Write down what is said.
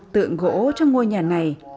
tượng gỗ trong ngôi nhà này